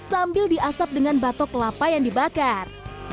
sambil diasap dengan batok kelapa yang dibakar